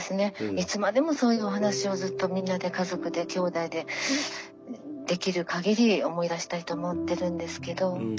いつまでもそういうお話をずっとみんなで家族できょうだいでできるかぎり思い出したいと思ってるんですけど。